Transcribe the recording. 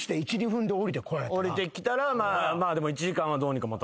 降りてきたら１時間はどうにか持たす。